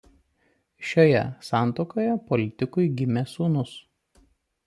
Šioje santuokoje politikui gimė sūnus.